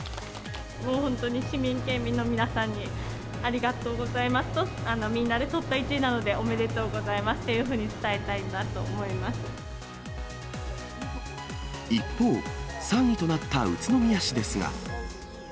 もう本当に市民、県民の皆さんに、ありがとうございますと、みんなで取った１位なので、おめでとうございますというふう一方、３位となった宇都宮市ですが。